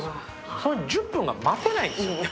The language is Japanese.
その１０分が待てないんです。